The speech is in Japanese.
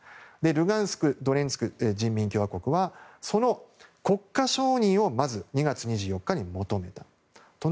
ルガンスクドネツク人民共和国はその国家承認を２月２４日に求めたと。